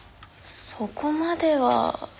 そこまでは。